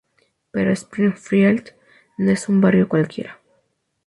Pero Springfield no es un barrio cualquiera.